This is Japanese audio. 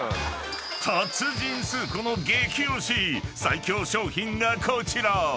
［達人スー子の激推し最強商品がこちら］